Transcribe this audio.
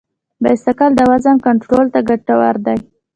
بایسکل د وزن کنټرول ته ګټور دی.